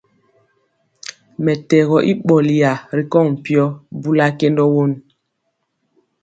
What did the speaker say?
Mɛtɛgɔ i ɓɔlya ri kɔŋ mpyɔ, bula kendɔ won.